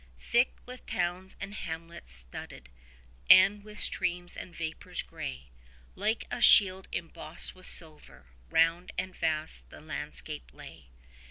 4 Thick with towns and hamlets studded, and with streams and vapours gray, Like a shield embossed with silver, round and vast the landscape lay.